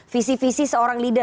visi visi seorang leader